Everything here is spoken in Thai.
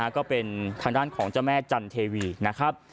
ก็เป็นทางด้านของเจ้าแม่จันเทวีนะครับ